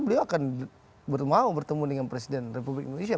beliau akan mau bertemu dengan presiden republik indonesia